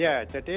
ya jadi itu